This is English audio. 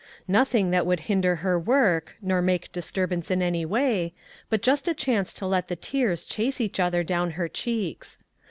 Nothing that would hinder her work, nor make disturbance in any way, but just a chance to let the tears chase each other down her cheeks.